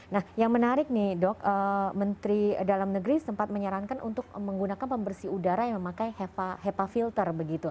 nah yang menarik nih dok menteri dalam negeri sempat menyarankan untuk menggunakan pembersih udara yang memakai hepa filter begitu